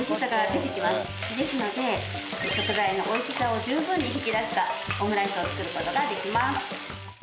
ですので食材の美味しさを十分に引き出したオムライスを作る事ができます。